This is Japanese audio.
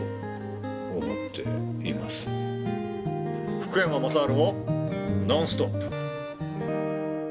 福山雅治も「ノンストップ！」。